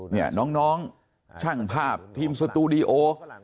นี่น้องช่างภาพทีมสตูดิโอ